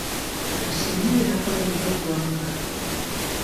Ka tusiime byakoledde eggwanga